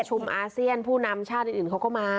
อาเซียนผู้นำชาติอื่นเขาก็มา